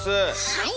はい！